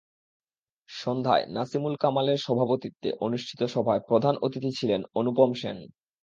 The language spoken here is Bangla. সন্ধ্যায় নাসিমুল কামালের সভাপতিত্বে অনুষ্ঠিত সভায় প্রধান অতিথি ছিলেন অনুপম সেন।